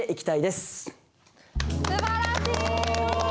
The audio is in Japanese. すばらしい！